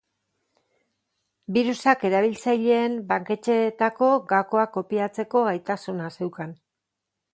Birusak erabiltzaileen banketxeetako gakoak kopiatzeko gaitasuna zeukan.